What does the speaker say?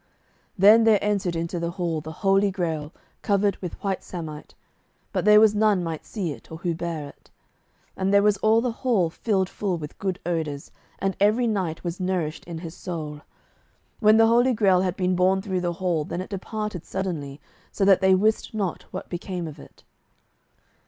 Then there entered into the hall the Holy Grail, covered with white samite, but there was none might see it, or who bare it. And there was all the hall filled full with good odours, and every knight was nourished in his soul. When the Holy Grail had been borne through the hall, then it departed suddenly, so that they wist not what became of it.